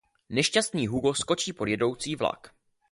Nešťastný Hugo skočí pod jedoucí vlak.